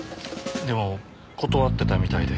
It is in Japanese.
でも断ってたみたいで。